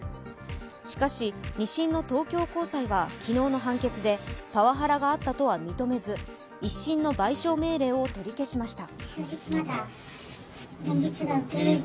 しかし、２審の東京高裁は昨日の判決でパワハラがあったとは認めず１審の賠償命令を取り消しました。